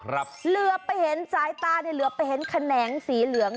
เหลือไปเห็นสายตาเนี่ยเหลือไปเห็นแขนงสีเหลือง